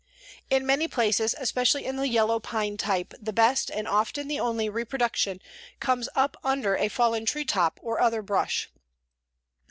In many places, especially in the yellow pine type, the best, and often the only, reproduction comes up under a fallen treetop or other brush.